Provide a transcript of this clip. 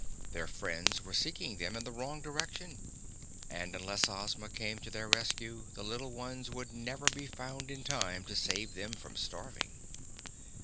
Their friends were seeking them in the wrong direction and unless Ozma came to their rescue the little ones would never be found in time to save them from starving.